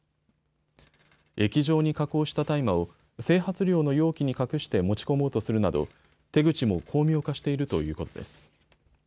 液状に加工した大麻を整髪料の容器に隠して持ち込もうとするなど手口も巧妙化しているということです。